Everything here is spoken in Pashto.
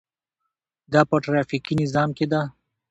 دا په ټرافیکي نظام کې ده.